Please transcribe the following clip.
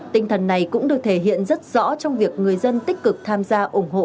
tinh thần này cũng được thể hiện rất rõ trong việc người dân tích cực tham gia ủng hộ